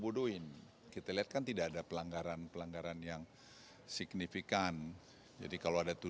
bodohin kita lihat kan tidak ada pelanggaran pelanggaran yang signifikan jadi kalau ada